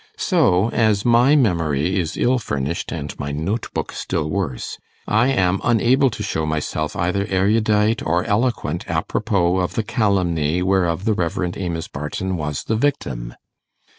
So, as my memory is ill furnished, and my notebook still worse, I am unable to show myself either erudite or eloquent apropos of the calumny whereof the Rev. Amos Barton was the victim.